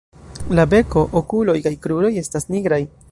La beko, okuloj kaj kruroj estas nigraj.